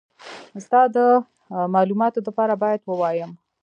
ستا د مالوماتو دپاره بايد ووايم.